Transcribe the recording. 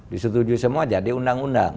disetujui semua jadi undang undang